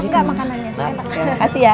enggak makanannya enak